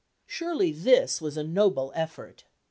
Surely this was a noble effort.